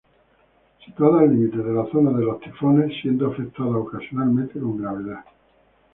Situadas al límite de la zona de los tifones, siendo afectadas ocasionalmente con gravedad.